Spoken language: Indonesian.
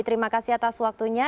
terima kasih atas waktunya